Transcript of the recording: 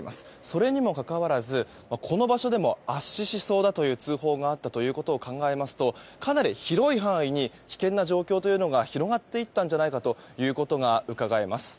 それにもかかわらずこの場所でも圧死しそうだという通報があったということを考えますとかなり広い範囲に危険な状況が広がっていったんじゃないかということがうかがえます。